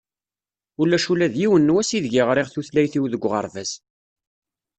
Ulac ula d yiwen n wass i deg i ɣriɣ tutlayt-iw deg uɣerbaz.